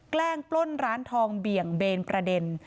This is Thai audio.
แกล้งปล้นร้านทองเบี่ยงเบนประเด็น